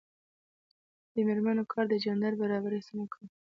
د میرمنو کار د جنډر برابرۍ هڅونه کوي.